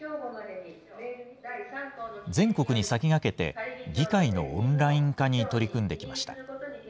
全国に先駆けて、議会のオンライン化に取り組んできました。